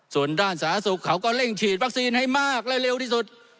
ส่วนด้านสาธารณสุขเขาก็เร่งฉีดวัคซีนให้มากและเร็วที่สุด